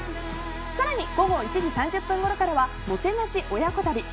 更に午後１時３０分ごろからはもてなし親子旅。